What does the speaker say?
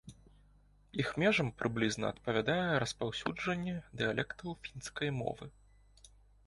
Іх межам прыблізна адпавядае распаўсюджанне дыялектаў фінскай мовы.